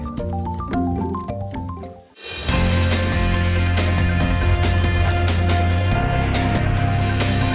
jawa tengah bersiara